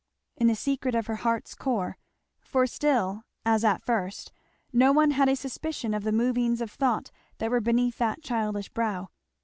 In the secret of her heart's core; for still, as at the first, no one had a suspicion of the movings of thought that were beneath that childish brow.